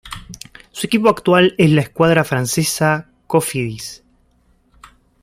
Su equipo actual es la escuadra francesa Cofidis.